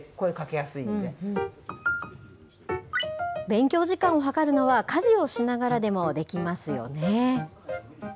勉強時間を計るのは、家事をしながらでもできますよね。